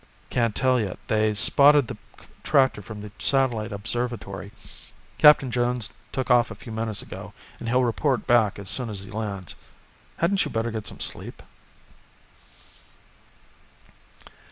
"Can't tell yet. They spotted the tractor from the satellite observatory. Captain Jones took off a few minutes ago, and he'll report back as soon as he lands. Hadn't you better get some sleep?"